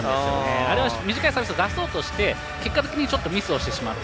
あれは短いサーブを出そうとして結果的にミスをしてしまった。